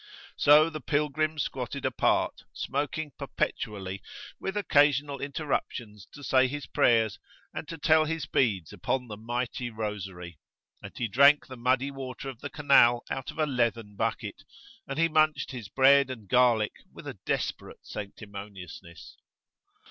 So the Pilgrim squatted apart, smoking perpetually, with occasional interruptions to say his prayers and to tell his beads upon the mighty rosary; and he drank the muddy water of the canal out of a leathern bucket, and he munched his bread and garlic[FN#4] with a desperate sanctimoniousness.